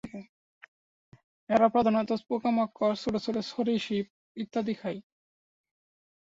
এরা প্রধানত পোকামাকড়, ছোটো ছোটো সরীসৃপ ইত্যাদি খায়।